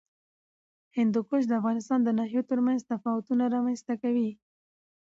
هندوکش د افغانستان د ناحیو ترمنځ تفاوتونه رامنځ ته کوي.